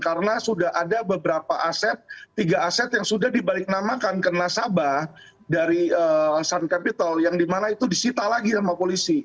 karena sudah ada beberapa aset tiga aset yang sudah dibaliknamakan ke nasabah dari sun capital yang di mana itu disita lagi sama polisi